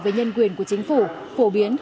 về nhân quyền của chính phủ phổ biến